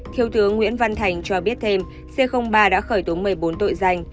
thiếu tướng nguyễn văn thành cho biết thêm c ba đã khởi tố một mươi bốn tội danh